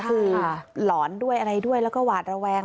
คือหลอนด้วยอะไรด้วยแล้วก็หวาดระแวง